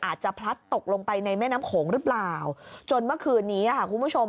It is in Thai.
พลัดตกลงไปในแม่น้ำโขงหรือเปล่าจนเมื่อคืนนี้ค่ะคุณผู้ชม